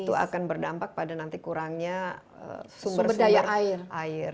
itu akan berdampak pada nanti kurangnya sumber daya air